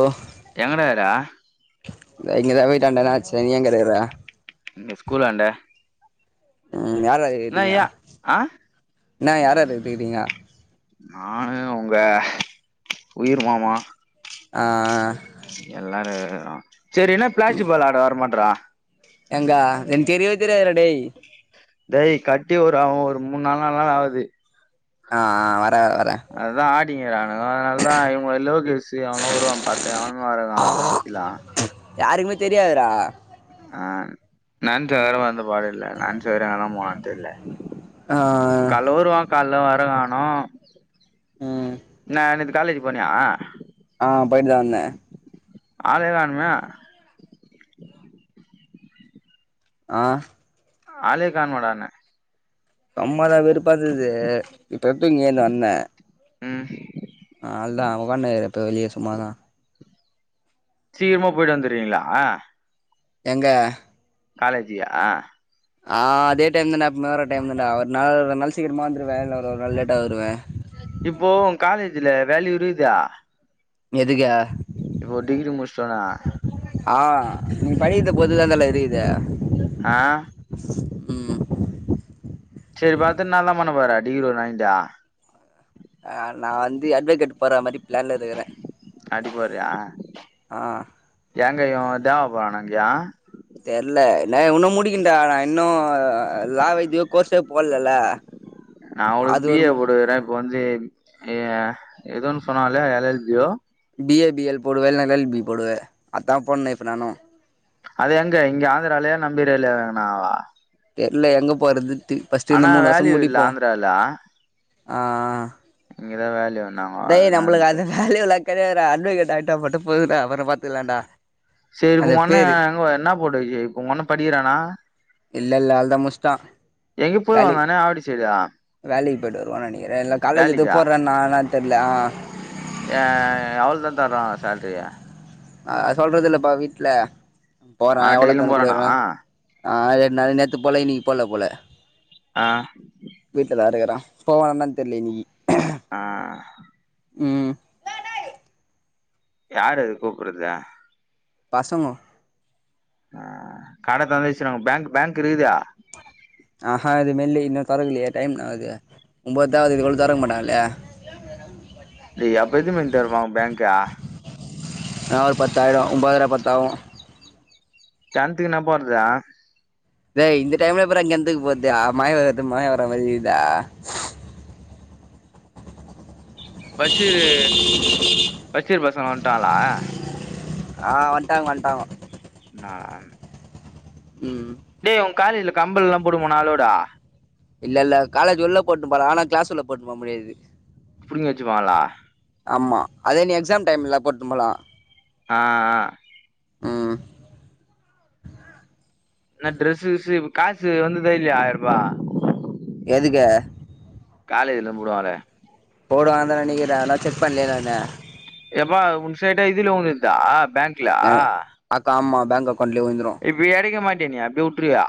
ஓ எங்கடா இருகுர இங்கதா வீட்டாண்ட என்னா ஆச்சு நீ எங்க இருக்கற இங்க ஸ்கூல் ஆண்ட ம் யார் யார் இருக்டிங்க ஐயா ஆ என்ன யார் யார் இருக்கறீங்கா நானு உங்க உயிர் மாமா ஆ ஆ எல்லாரு இருக்கறோ சேரி என்னா பிளாஸ்டிக் பால் ஆட வர மாட்றா எங்க எனக்கு தெரியவே தெரியாது டா டேய் டேய் கட்டி ஒரு ஒரு மூணு நாலு நாள் ஆவுது ஆ ஆ வர வர அதுதா ஆடிங்கிறானுங்கோ அதனாலதா இவுங்க லோகேசு அவலா வருவா பாத்த அவனு வர க இல்லா யாருக்குமே தெரியாதுடா ஆ நான்ஜோ வேற ம் வந்த பாடு இல்ல நான்ஜோ வேற எங்கதா போனான் தெர்ல ஆ கால்ல வருவா கால்ல வர காணோ ம் என்னா நேத்து காலேஜ் போனியா ஆ போயிட்டு தா வந்த ஆல்லே கானோமே ஆ ஆலே கான்மேடான்ன சும்மாதா வெருப்பாந்தது இப்ப எப்டி இங்க ஏந்து வந்த ம் ஆ அவுல்தா உகான்ட்ருக்க இப்ப வெளிய சும்மாதா சீக்கிரமா போயிட்டு வந்துருவீங்களா எங்க காலேஜியா ஆ அதே டைம் தாண்டா எப்பமே வர டைம் தாண்டா ஒரு நாள் ரெண்டு நாள் சீக்கிரமா வந்துருவ இல்ல ஒரு ஒரு நாள் லேட்டா வருவ இப்போ காலேஜில வேல்யூ இருக்குது எதுக்கே இப்போ டிகிரி முஷ்டோனா ஆ நீ படிக்கறத பொறுத்து தா தல இருக்குது ஆ ம் சேரி இப்போ அடுத்துனால்லா பண்ண போற டிகிரி ஒன்னு வாங்கிட்டு ஆ நா வந்து அட்வகேட் போற மாரி பிளான்ல இருக்கற அப்டி போறியா ஆ எங்க இவே தேவா போறானே அங்கயா தெர்ல டேய் உன்னு முடிக்கன்டா நா இன்னு லா வே இது கோர்ஸே போட்லல்ல நா கூடோ பி ஏ போட்டுக்குற இப்ப வந்து எ எதோ ஒன்னு சொன்னாங்களே எல் எல் பி யோ பி ஏ பி எல் போடுவ இல்லன்னா எல் எல் பி போடுவ அதான போட்னௌ இப்ப நானு அது எங்க இங்க ஆந்திராலயா நம்ப ஏறியாலா ஏங்கனாவா தெர்ல எங்க போறது இன்ட்டு ஃபர்ஸ்ட் ஆனா இந்த மூணு வர்ஷோ வேல்யூ இல்ல மூடிப்போ ஆந்திரால ஆ இங்கதா வேலயே அவுன் டேய் நம்பளுக்கு அது வேல்யூல்லா கெடையாது அட்வகேட் ஆயிட்டா மட்டு போது டா அப்றோ பாத்துக்லான்டா சேரி இப்ப உங்க அண்ணே எங்க என்ன போட்டு உங்க அண்ணே படிக்கிறானா இல்ல இல்ல அவ்ளதா முஷ்டா எங்கியோ போயி வந்தானே ஆவடி சைடு வேலைக்கி போயிட்டு வருவான்னு நெனைக்கிறே இல்னா காலேஜி எதோ போட்றானா என்னா தெர்ல ஏயா எவ்ளோ தா தராங்க சேல்ரி அ அது சொல்றது இல்லப்பா வீட்ல போறே ஆ எவ்ள டெய்லியு எத்தாந்து போறானா குடுக்ற ஆ ரெண்டு நாள் நேத்து போல இன்னிக்கி போல போல ஆ வீட்டி தா இருக்கறா போவானா என்னனு தெர்ல இன்னிக்கி ஆ ம் யார் அது கூப்புட்றது பசங்கோ ஆ கடை தொறந்து வெச்சுகுறாங்கு பேங்க் பேங்க் இருக்குதே ஆ இது மெல்லி இன்னு தொறக்கலியே டைம்னா அவுது ஒன்போத்தா ஆவுது இதுக்குள்ள தொறக்க மாட்டாங்லே டேய் அப்போ எத்தின் மணிக்கு தெறபாங்க பேங்க்க நா ஒரு பத்தாயிடோ ஒன்பதர பத்தாவு கேண்துக்கு நா போற்த டேய் இந்த டைம்ல எப்புறா கேண்துக்கு போர்தே மழ வேற வர்து மழ வரற மாரி இருக்குத பஷீரு பஷீர் பசங்க வந்ன்டாங்ளா ஆ வந்ன்டாங்க வந்ன்டாங்கோ நான் ம் டேய் உங்க காலேஜில கம்பல்லா போட்டுனு போனா அலோட இல்ல இல்ல காலேஜ் உள்ள போட்னு போல ஆனா கிளாஸ் உள்ள போட்னுபோ முடியாது புடிங்கி வெச்சுப்பாங்ளா ஆமா அதே நீ எக்ஸாம் டைம்லா போட்னு போலா ஆ ஆ ம் என்ன ட்ரஸு கிஸ்ஸு காசு வந்துதா இல்லியா ஆயர்ருபா எதுக்கு காலேஜ் இர்ந்து போடுவாங்ளே போடுவாங்கந்தா நெனைக்கிறே நா செக் பண்ணலயே நானு எப்பா உன் சைடு இதுல உழ்ந்திர்தா பேங்க்லா அக் ஆமா பேங்க் அக்கௌண்ட்லே உழ்ந்துரு இப்ப எடுக்க மாட்டியா நீ அப்டியே உட்ருவியா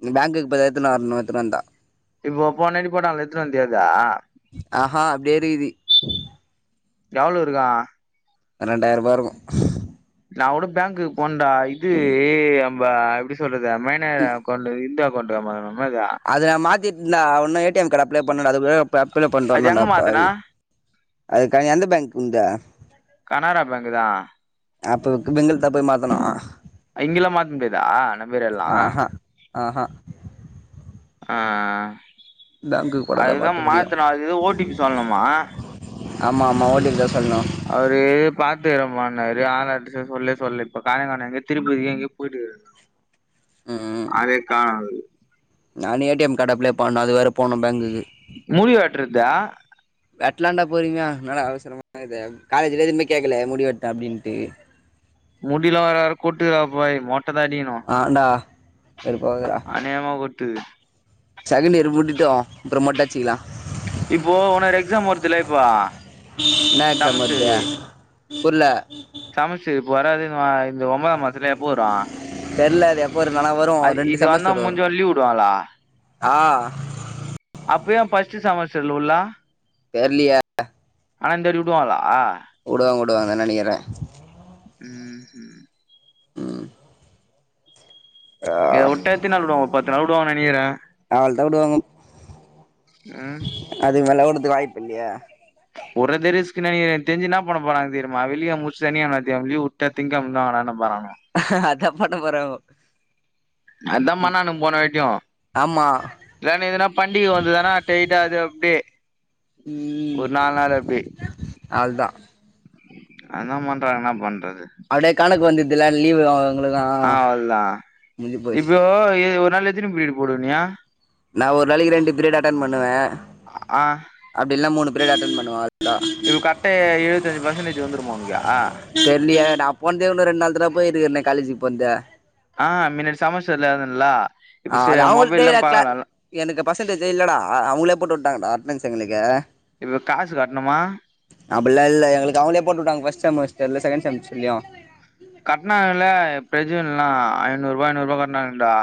இனி பேங்க்குக் போய் தா எத்துனு வர்ணு எத்துனு வந்தா இப்போ போன வாட்டி போட்டாங்ளே எத்துனு வந்தியே அதா ஆஹா அப்டியே இருகிதி எவளோ இருகு அ ரெண்டாய்ருபா இருகு நாங்கூட பேங்க்குக் போன்டா இது எ நம்ப எப்டி சொல்றது மை னர் அக்கௌண்டு இந்த அக்கௌண்டு வேணுமா என்னமோ அது அது நா மாத்தீட்ன்டா உன்னு A T M card apply பண்ணுடா அது கூட அப் அப்பிளே பண்ட்டு அது எங்க வரனுடா மாத்துன பாவி அதுக்கா எந்த பேங்க் உன்து கனாரா பேங்கு தா அப்போ உக்கு பெங்கல் தா போய் மாத்தணு இங்கில்லா மாத் முடியாதா நம்ப ஏரியால்லா ஆஹா ஆஹா ஆ ஆ பேங்க்குக்கு போனா தான் அதுதா மாத்த முடியும் மாத்தணு அதுக் எதோ ஓ டி பி சொல்ணுமா ஆமா ஆமா ஓ டி பி தா சொல்ணு அவரு பாத்துகறம்ப்பானாரு ஆள் அட்ரசே ஃபோன்லே சொல்ல இப்போ ஆள்யே கானோ எங்கே திருப்பதிக்கே எங்யோ போயிட்டுக்கறாரு ம் அதுவே கானல் நானு A T M card apply பண்ணு அது வேற போனு பேங்குகு முடி வெட்றதா வெட்லாண்டா பொறிமையா என்னடா அவசரமா இது காலேஜ்ல எதும்மே கேக்கல முடி வெட்ல அப்டின்ட்டு முடில்லா வர வர கொட்டுது பாயி மொட்டதா அடிக்கினு ஆண்டா வெருப்பாவ்துரா அநியாய்மா கொட்டுது செகண்ட் இயரு முடிட்டு அப்றோ மெட்ட அட்ச்சிகலா இப்போ உன்னோரு எக்ஸாம் வருதுல்ல இப்போ சமஸ்டரு புர்ல சமஸ்ட்ரு இப்ப வராது இந்த வ இந்த ஒம்பதா மாசத்ல எப்போ வரு தெர்ல அது எப்போ வருன்னு ஆனா வரு அது ரெண்டு இது வந்தா செமஸ்டர் வரு முஞ்சோன லீவ் விடுவாங்களா ஆ அப்ப ஏ பஸ்ட்டு செமஸ்டர்ல உல்லா தெர்லியே ஆனா இந்த வாட்டி உடுவாங்களா உடுவாங் உடுவாங்ன் நெனைகிறே ம் ம் ம் ஏ உட்டா எத்தின் நாள் உடுவாங்க ஒரு பத்து நாள் உடுவாங்கன் நெனைகிறே அவ்ள்தா உடுவாங்கோ ம் அதுக் மேல உடுதுக் வாய்ப்பில்லயே உட்றதே ரிஸ்க்குன் நெனைகிறே என்க் தெரிஞ்சி என்னா பண்ண போறாங்க தெரிமா வெள்ளி கெழம் முட்ஸ்ட்டு சனியு ஞாத்தி கெழம லீவ் உட்டா திங் கெழமலிந்து வாங்கடான்னு போறாங்க அதா பண்ண போறாங்கோ அதா பண்ணானோ போன வாட்டியு ஆமாம் இதான எதுனா பண்டிகை வந்ததான டைட்டா அது அப்டே ம் ஒரு நால் நாளு அப்டி அவ்ள்தா அதா பண்றாங்க என்ன பண்றது அப்டே கணக்கு வந்ததுல லீவு அவங்களுக்கு அவ்ளதா முஞ்சி போச்சு இப்போ ஏ ஒரு நாள் எத்தினி பீடு போடுவ நீ நா ஒரு நாளைக்கு ரெண்டு பிரீயட் அட்டென் பண்ணுவே ஆ அப்டி இல்னா மூணு பீரியட் அட்டன் பண்ணுவ இப்போ கரட்ட எழுவத்தஞ்சு பர்சன்டேஜ் வந்துருமா உனக்கு தெர்லியே நா போன்தே ஒன்னு ரெண்டு நாள் தடவ போயிருக்கிறே காலேஜிக்கு போன்து அ மின்ன சமைச்ச [unintelligible] ஆ அது அவுள்தே [unintelligible] எனக்கு பர்சன்டேஜே இல்லடா அவங்ளே போட்டு உட்டாங்கடா அட்டனன்ஸ் எங்ளுக்கு எது காசு கட்ணுமா அப்பில்லா இல்ல எங்ளுக்கு அவுங்ளே போட்டு உட்டாங்க ஃபஸ்ட்டு செமஸ்டர்ல்ல செகண்ட் செமஸ்டர்லியு கட்னாங்கல எப்பியாச்சு ஒருநா ஐநூறுவா ஐநூறுவா கட்னாங்டா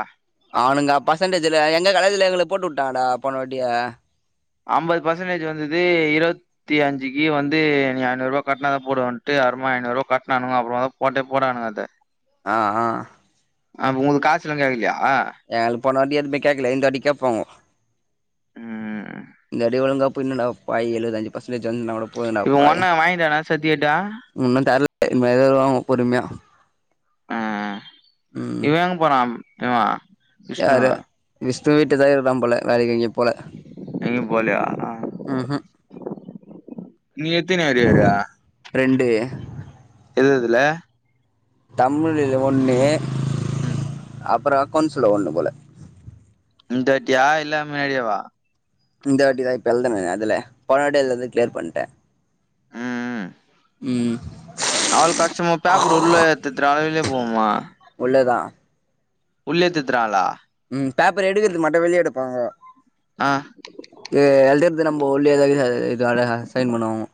அவுனுங்க பர்சன்டேஜ்ல எங்க காலேஜ்ல எங்ளுக்கு போட்டு உட்டாங்கடா போன வாட்டியே அம்பது பர்சன்டேஜ் வந்துது இரு த்திக்கு அஞ்சுக்கு வந்து நீ ஐநூற்வா கட்னாதா போடுவன்ட்டு அப்றமா ஐநூற்வா கட்னானுவோ அப்றமா தா போட்டே போனானுங்க அத ஆ ஆ அ உங்குக்கு காசுலா கேக்லியா எங்ளுக்கு போனா வாட்டி எதுமே கேக்ல இந்த வாட்டி கேப்பாங்கோ ம் இந்தாட்டி ஒழுங்கா போயின்னுடா பாய் எழுவது அஞ்சு பர்சன்டேஜ் வந்தா கூட போதும்டா இவே ஒங்க அண்ண வாங்கிட்டானா சட்டிகேட்ட ஒன்னு [inaudible] எழுதுறோ பொறுமையா ஆ அ ம் இவே எங்க போனா இவே யாரு விஷ்ணுவே வீட்டுல தா இருக்குறா போல [unintelligible] எங்க போலியா ம்ஹூம் நீ எத்தினி அரியரு ரெண்டு எது எதுல தமிழ் ஒன்னு ம் அப்றோ அக்கோன்ஸ்ல ஒன்னு போல இந்தாட்டியா இல்லா மேலேவா இந்த வாட்டி தா இப்ப எழுதுனனே அதுல போன வாட்டி எழுதுனது கிளியர் பண்ட்டே ம் அவ்ளோ கஷ்டமா பேப்பரு உள்ள திர்த்துறா வெளில போமா உள்ள தா உள்ளே திர்த்துறாங்ளா ம் பேப்பர் எடுக்கறது மட்டு வெளிய எடுப்பாங்க ஆ இது எழுதுறது நம்ம உள்ள [inaudible] இதால அசைன் பண்ணுவாங்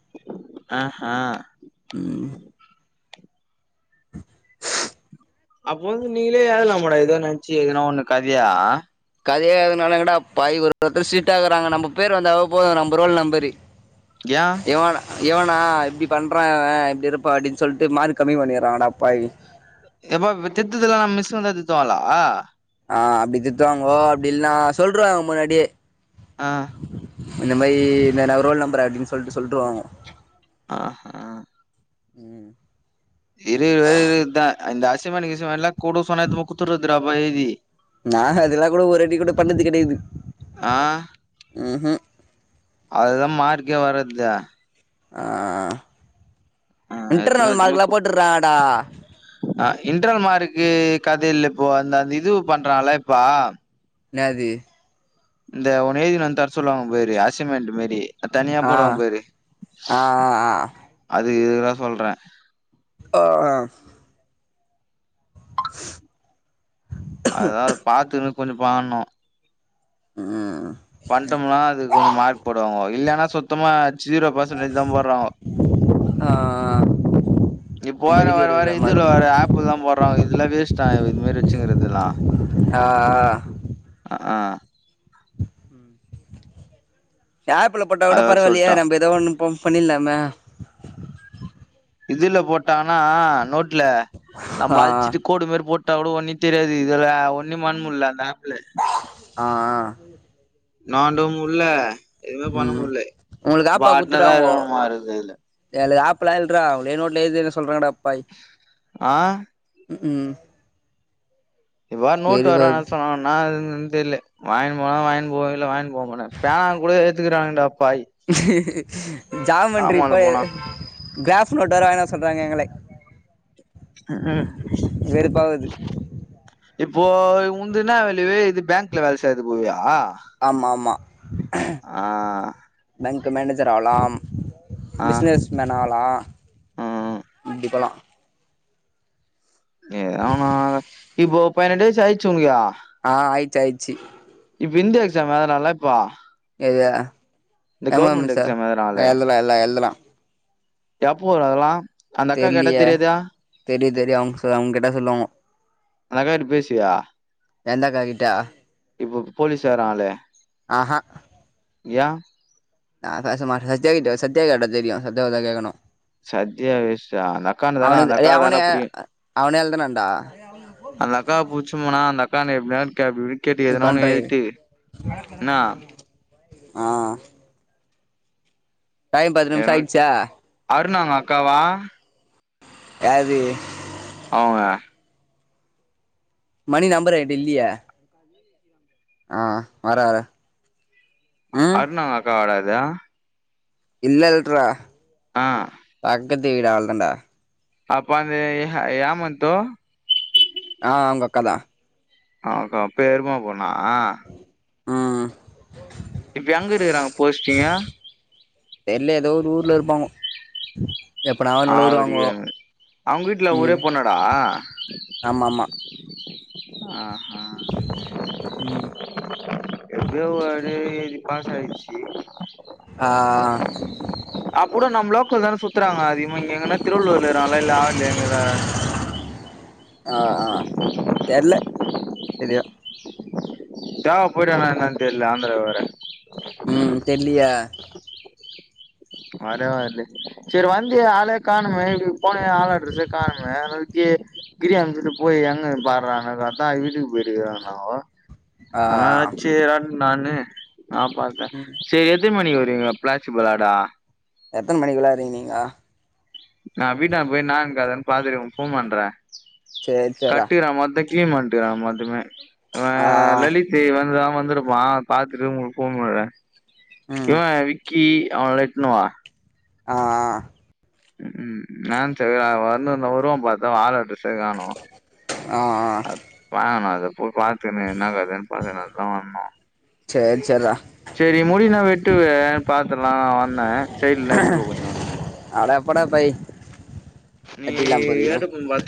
அ ஹ ம் அப்ப வந்து நீங்களே எழுதலாமடா எதா நென்ச்சு எதுனா ஒண்ணு கதியா கதையா எழுதுனாலு எங்கடா பாவி ஒரு ஒருத்தரு ஸ்டிட்டாகிறாங்க நம்ம பேரு வந்தாவே போது நம்ப ரோல் நம்பரு யா இவன் இவனா இப்டி பண்றா இவ இப்டி இருப்பா அப்டி சொல்ட்டு மார்க்கு கம்மி பண்ணிறாங்கடா பாவி எப்பா இப்ப திர்துத்தெல்லா நம்ம மிஸ்ஸுங்தா திர்த்துவாங்களா அ அப்டி திர்த்துவாங்கோ அப்டி இல்லனா சொல்ருவாங்கோ முன்னாடியே ஆ இந்த மாரி இந்த ந ஒரு ரோல் நம்பர அப்டின் சொல்ட்டு சொல்லிருவாங்கோ ஆ ஹா ம் இருக்குற வர இருக்குத்த இந்த அசைன்மென்ட் கிசைன்மென்ட்லா குடுக் சொன்னா எத்துனுப்போய் குத்துற்றதுடா அப்பா எழுதி நா அதெல்லா கூட ஒரு வாட்டி கூடோ பண்ணது கெடியாது ஆ ம் ம் அதுதா மார்க்கே வர்ரத்து அ அ இன்டர்னல் மார்க்கெலா போட்டுறாங்கடா அ இன்டனல் மார்க்கு கதையில்ல இப்போ அந்த இதுவு பண்றால இப்பா இன்னாது இந்த ஒன் எழுதி வந்து தர் சொல்லுவாங்க பாரு அசின்மெண்ட்டு மாரி தனியா ஆ போடுவாங் பரு ஆ ஆ அதுக்கு இதுனா சொல்ற அ அ [inaudible] அதா அது பாத்துனுக் கொஞ்சோ பண்ணனு ம் பண்ட்டோம்னா அதுக்கு கொஞ்சோ மார்க் போடுவாங்கோ இல்லன்னா சுத்தமா ஜீரோ பேசன்டேஜ் தா போடுறாங்கோ அ‌அ இப்ப வேற வார வார இதுல வேற ஆப்பு தா போடுறங்க இதுல்லா வேஸ்ட்டா இத் இது மாரி வெச்சுங்கிறதுல்லா ஆ ஆ அக்ஆ ஆப்பில போட்டா கூட அது வேற பரவாயில்லியே சொல்ட்டா நம்ப எதோ ஒண்ணு போம் பண்ணிலாமே இதுல போட்டங்கன்னா நோட்டுல ஆ நம்ம அழிச்சிட்டு கோடு மாரி போட் குத்தாக்கூடோ ஒன்னி தெரியாது இதுல ஒன்னி பண்முல்ல அந்த ஆப்புல ஆ ஆ நோண்டவு முல்ல எதுமே பண்ண ம் முட்ல உங்களுக்கு பாட்னரா இருக்கனுமா இருக்கு இதுல எங்களுக்கு ஆப்பலா இல்றா அவுங்ளே நேட்ல எழுதிக்கிற சொல்றங்கடா பாவி ஆ ம்க்ம் இப்ப வேற நோட்டு வேற வாங் சொன்னங்கனா [unintelligible] தெர்ல வாங்கினு போனா வாய்ன் போவ இல்ல வாய்ன் போமட்ட பேனா கூட ஏத்துக்கிறாங்கடா பாவி ஜாமண்டரிப்போயி போலாம் க்ராஃப் நோட் வேற வாய்ன்வர சொல்றாங்க எங்கள ம்க்ம் வெறுப்பாவுது இப்போ உந்து இன்ன வேல்யூவு இது பேங்க்ல வேல செய்யது போவியா ஆமா ஆமா ஆ பேங்க் மேனேஜர் ஆவுலா ஆ பிசினஸ் மேன் ஆவுலா ம் இப்பலா எதுனா ஒன்னு ஆக இப்போ பதினெட்டு வயசு ஆய்ச்சா உனக்கு ஆ ஆயச்சி ஆயிச்சி இப்ப இந்த எக்ஸாம் எழுதுனால்ல இப்ப எது இந்த M M government S exam எதனால ஆ எழுதலா எல்லா எழுதலா எப்போ வரு அதெல்லா அந்த அக்கா கேட்டா தெரிலையே தெரியாதா தெரியு தெரியு அவுங்க அவங்க கேட்டா சொல்லுவாங்க அந்த அக்காகிட்ட பேசுவியா எந்த அக்காகிட்ட இப்ப போலீஸ் வர்றாங்களே ஆஹா ஏ நா பேச மாட்டேனே சத்தியாகிட்ட சத்யா கேட்டா தெரியு சத்தியாவதா கேக்கணு சத்யா வேஸ்ட் ரா அந்த அக்கா இருந்தா தான அவனுக்கு அந்த டே அக்காவ தாண்டா அவனே புடிக்கு அவனே எழுதுனான்டா அந்த அக்கா பிடிச்ச போனா அந்த அக்காவ புடிச்சின்னு போனா அந்த அக்காண்ட எப்டியாது கே அப்டி இப்டி கேட்டு நீ எதுனா பண்ற ஒன்னு இரு எழுதிட்டு என்னா ஆ டைம் பத்து நிமிஷோ ஆயிடுச்சா அருண் அவங்க அக்காவா யாது அவுங்க மணி நம்பர் எங்கிட்ட இல்லியே அது அடி வாங்குவ ஆ வர்றே வர்றே அருண் அவங்க அக்கா வாட அது இல்ல இல்லறா ஆ பக்கத்து வீடு அவளதாண்டா அப்ப அந்த ஏ ஏமாந்டோ ஆ அவுங்க அக்காதா அவுங்க பெரிம்மா பொண்ணா ம் இப்ப எங்க இருக்கறாங்க போஸ்ட்டிங்க தெரில ஏதோ ஒரு ஊர்ல இருப்பாங்க அப்டியேமு அவுங்க வீட்ல ஓரே ம் பொண்ணாடா ஆமா ஆமா ஆ ஹ ம் எப்டியோ ஒரு வழியா எழுதி பாஸ் ஆய்ச்சி ஆ அப்புடு நம்ம லோக்கல் தான சுத்துறாங்க அதிகம் இங்க எங்கன்னா திருவள்ளுர்ல இருக்கிறாங்களா இல்ல ஆவடில எங்கதான்னு தெர்ல ஆ ஆ தெர்ல இது தேவ படுதா என்னென்னுதா தெர்ல ஆந்ரா வர ம் தெர்லயே [unintelligible] அதா அது செரி வந்தியே ஆளையே காணுமே இப்டி போனயே ஆள் அட்ரஸ்சே காணுமே அதா வித்தி கிரி அம்ச்சுட்டு போய் எங்கன்னு பார்றான்னு பாத்தா வீட்டுக்கு போயிருக்கிறானாங்க ஆ அதனால சேரிறான்னு நானு நா பாத்தே ம் சேரி எடுத் எத்தன மணிக்கு வருவீங்க பிளாச்சிப் விளாடா எத்தன மணிக்கு விளார்ரீங்க நீங்க நா வீட்டான்ட போய் நா இக்காதான்னு பாத்துட்டு ஒனக்கு ஃபோன் பண்றே சேரி சேர்ரா கட்டீறா மொத்தைக் டீம் வன்டிகிறா மொத்தமே வ ஆ லலித் ஏய் இவன்தா வந்துருப்பா பாத்துட்டு ஒங்களுக்கு ஃபோன் பண்றே ம் இவெ விக்கி அவனோட இத்துனுவா ஆ ஆ ம் ம் நான் செரி அவெ வர்னு இந்தா வருவானு பாத்தே வால அட்ரஸே காணோ ஆ ஆ வாங்கனு அது போய் பாத்துனு என்னா கதேனு பாக்கறதுக்கு தா வந்தோ சேர் சர்ரா சேரி முடி நா வெட்டுவே பாத்துர்லா நா வந்தே சைட் நேத்துக்கு கொண்டு வந்தே அட எப்படா பை நீ வெட்டிலாம் போறீங்க ஏதுக்கு